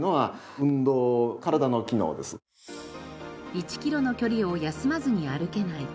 １キロの距離を休まずに歩けない。